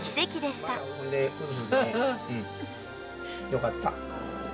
よかった。